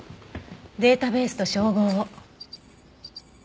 データベースと照合を。